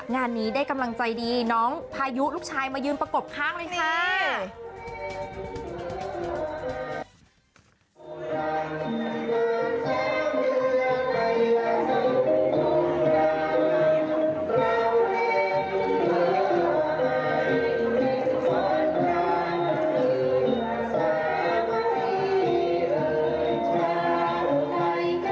งานนี้ได้กำลังใจดีน้องพายุลูกชายมายืนประกบข้างเลยค่ะ